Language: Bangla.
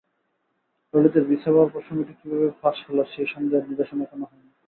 ললিতের ভিসা পাওয়ার প্রসঙ্গটি কীভাবে ফাঁস হলো সেই সন্দেহের নিরসন এখনো হয়নি।